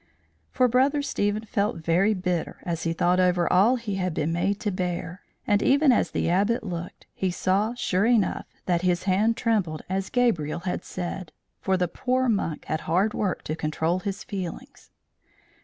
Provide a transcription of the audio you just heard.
For Brother Stephen felt very bitter as he thought over all he had been made to bear; and even as the Abbot looked, he saw, sure enough, that his hand trembled as Gabriel had said; for the poor monk had hard work to control his feelings.